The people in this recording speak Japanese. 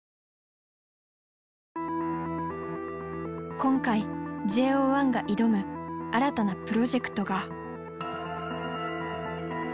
今回ＪＯ１が挑む新たなプロジェクトが。